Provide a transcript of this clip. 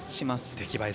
出来栄え